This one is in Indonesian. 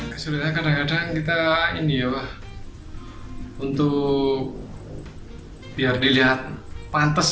kesulitan kadang kadang kita ini ya pak untuk biar dilihat pantes